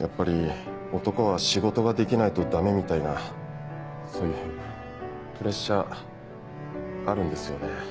やっぱり男は仕事ができないとダメみたいなそういうプレッシャーあるんですよね。